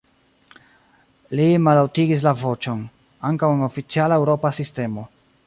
Li mallaŭtigis la voĉon: “Ankaŭ en oficiala eŭropa sistemo.